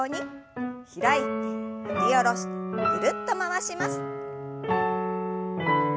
開いて振り下ろしてぐるっと回します。